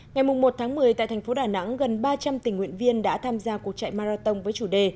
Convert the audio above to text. ngày một một mươi tại thành phố đà nẵng gần ba trăm linh tình nguyện viên đã tham gia cuộc chạy marathon với chủ đề